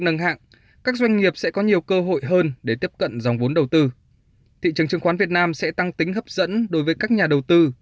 ngân hàng chứng khoán việt nam sẽ tăng tính hấp dẫn đối với các nhà đầu tư